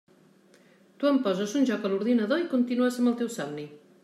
Tu em poses un joc a l'ordinador i continues amb el teu somni.